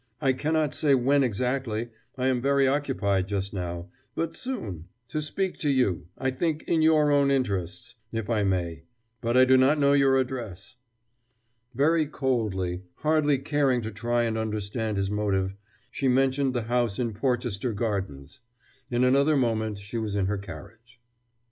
"I cannot say when exactly I am very occupied just now but soon.... To speak to you, I think, in your own interests if I may. But I do not know your address." Very coldly, hardly caring to try and understand his motive, she mentioned the house in Porchester Gardens. In another moment she was in her carriage.